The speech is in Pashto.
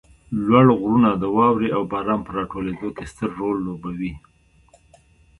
لوړ غرونه د واروې او باران په راټولېدو کې ستر رول لوبوي